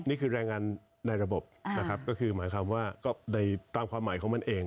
นี่คือแรงงานในระบบนะครับก็คือหมายความว่าก็ในตามความหมายของมันเอง